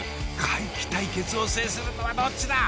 怪奇対決を制するのはどっちだ！